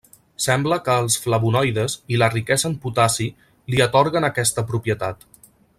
Sembla que els flavonoides, i la riquesa en potassi li atorguen aquesta propietat.